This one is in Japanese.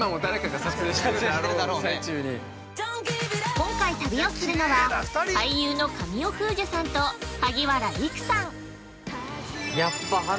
◆今回旅をするのは俳優の神尾楓珠さんと萩原利久さん。